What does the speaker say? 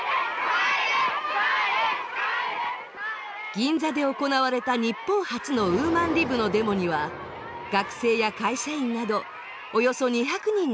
銀座で行われた日本初のウーマンリブのデモには学生や会社員などおよそ２００人が参加。